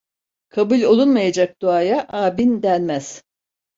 Kabul olunmayacak duaya amin denmez.